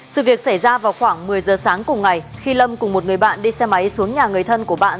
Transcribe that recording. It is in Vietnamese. sự việc xảy ra vào khoảng một mươi giờ sáng cùng ngày khi lâm cùng một người bạn đi xe máy xuống nhà người thân của bạn